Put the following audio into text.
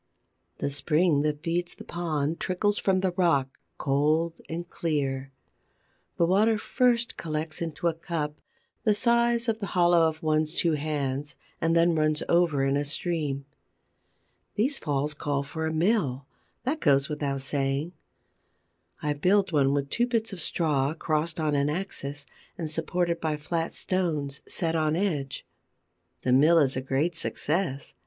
The spring that feeds the pond trickles from the rock, cold and clear. The water first collects into a cup, the size of the hollow of one's two hands, and then runs over in a stream. These falls call for a mill: that goes without saying. I build one with two bits of straw, crossed on an axis, and supported by flat stones set on edge. The mill is a great success.